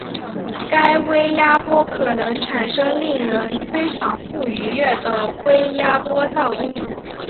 该微压波可能产生令人非常不愉悦的微压波噪音。